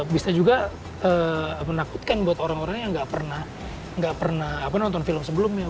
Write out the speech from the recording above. bisa juga menakutkan buat orang orang yang gak pernah nonton film sebelumnya